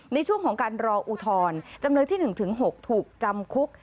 ในช่วงของการรออุทธรณ์จำเลยที่๑๖ถูกจำคุก